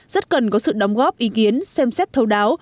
rất cần có sự đóng góp ý kiến xem xét thấu đáo